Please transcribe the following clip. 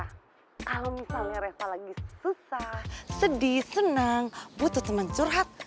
kalau misalnya reva lagi susah sedih senang butuh teman curhat